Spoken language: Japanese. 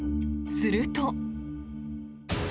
すると。